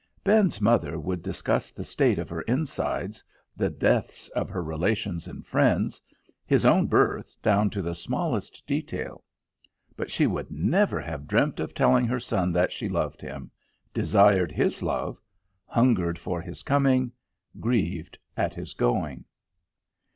Ben's mother would discuss the state of her inside, the deaths of her relations and friends; his own birth, down to the smallest detail. But she would never have dreamt of telling her son that she loved him, desired his love, hungered for his coming, grieved at his going.